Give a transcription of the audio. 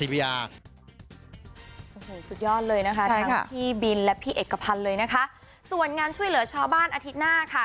โอ้โหสุดยอดเลยนะคะทั้งพี่บินและพี่เอกพันธ์เลยนะคะส่วนงานช่วยเหลือชาวบ้านอาทิตย์หน้าค่ะ